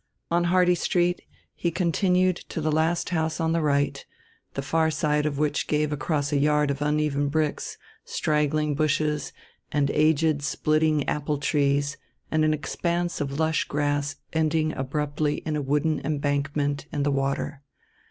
On Hardy Street he continued to the last house at the right, the farther side of which gave across a yard of uneven bricks, straggling bushes and aged splitting apple trees and an expanse of lush grass ending abruptly in a wooden embankment and the water.